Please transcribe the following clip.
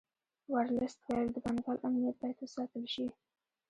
ورلسټ ویل د بنګال امنیت باید وساتل شي.